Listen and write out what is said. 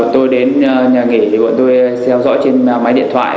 tôi đến nhà nghỉ tôi theo dõi trên máy điện thoại